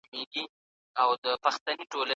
پښتو ته په پوره اخلاص سره کار وکړه.